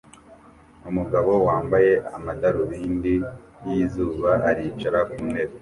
Umugabo wambaye amadarubindi yizuba aricara kuntebe